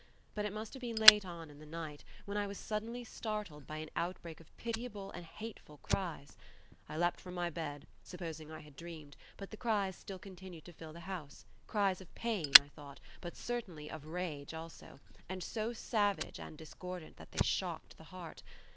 But it must have been late on in the night, when I was suddenly startled by an outbreak of pitiable and hateful cries. I leaped from my bed, supposing I had dreamed; but the cries still continued to fill the house, cries of pain, I thought, but certainly of rage also, and so savage and discordant that they shocked the heart.